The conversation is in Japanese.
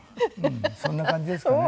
そんな感じですかね。